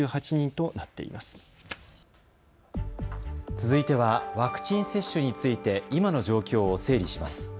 続いてはワクチン接種について今の状況を整理します。